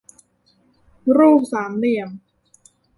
รูปสามเหลี่ยม